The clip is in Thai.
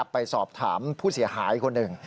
ไปสอบถามผู้เสียหายคนหนึ่ง